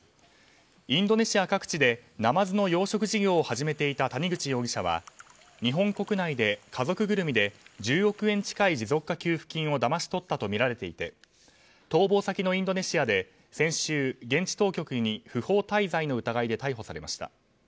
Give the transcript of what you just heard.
インドネシア各地でナマズの養殖事業を始めていた谷口容疑者は日本国内で家族ぐるみで１０億円近い持続化給付金をだまし取ったとみられていて逃亡先のインドネシアで先週現地当局に不法滞在の疑いで逮捕されました。